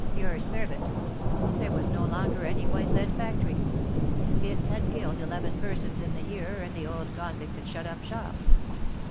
Your servant! There was no longer any white lead factory; it had killed eleven persons in the year, and the old convict had shut up shop.